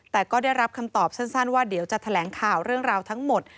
แต่ก็ได้รับคำตอบสั้นว่าเดี๋ยวจะแถลงข่าวเรื่องราวทั้งหมด